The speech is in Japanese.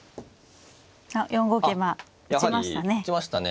あっ４五桂馬打ちましたね。